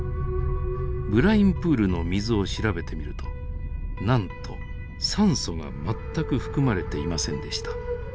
ブラインプールの水を調べてみるとなんと酸素が全く含まれていませんでした。